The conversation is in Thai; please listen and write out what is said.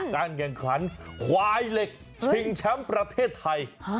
การแข่งขันควายเหล็กชิงแชมป์ประเทศไทย